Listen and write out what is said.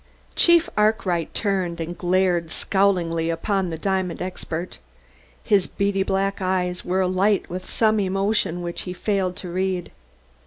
Chief Arkwright turned and glared scowlingly upon the diamond expert. The beady black eyes were alight with some emotion which he failed to read.